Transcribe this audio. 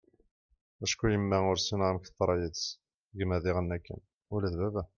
acku yemma ur ssineγ amek teḍṛa yid-s, gma diγen akken, ula d baba